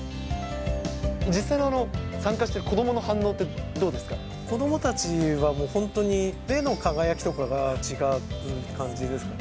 実際に参加している子どもの子どもたちはもう、本当に目の輝きとかが違う感じですかね。